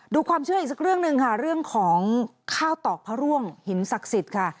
ดูความเชื่ออีกสักเรื่องหนึ่งค่ะเรื่องของข้าวตอกพระร่วงหินศักดิ์สิทธิ์ค่ะ